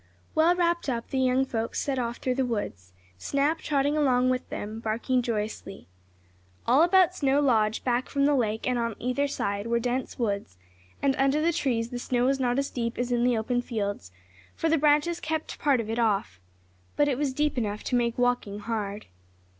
Well wrapped up, the young folks set off through the woods, Snap trotting along with them, barking joyously. All about Snow Lodge, back from the lake, and on either side, were dense woods, and under the trees the snow was not as deep as in the open fields, for the branches kept part of it off. But it was deep enough to make walking hard.